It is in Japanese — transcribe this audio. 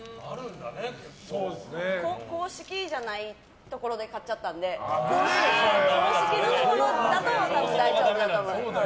公式じゃないところで買っちゃったんで公式のところだと大丈夫だと思います。